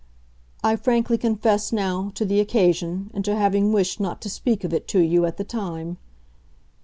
I frankly confess, now, to the occasion, and to having wished not to speak of it to you at the time.